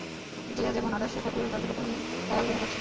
যে যেমন আধার, সে ঠাকুরের ততটুকু নিয়ে তাই আলোচনা করছে।